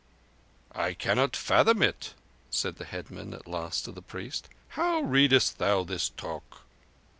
"I cannot fathom it," said the headman at last to the priest. "How readest thou this talk?"